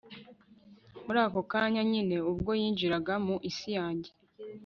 Muri ako kanya nyine ubwo yinjiraga mu isi yanjye